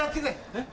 えっ？